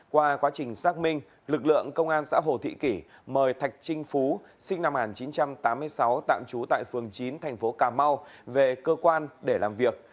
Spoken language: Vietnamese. qua quá trình xác minh lực lượng công an xã hồ thị kỷ mời thạch trinh phú sinh năm một nghìn chín trăm tám mươi sáu tạm trú tại phường chín thành phố cà mau về cơ quan để làm việc